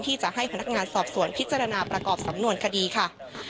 ที่จะให้พนักงานสอบสวนพิจารณาประกอบสำนวนคดีค่ะ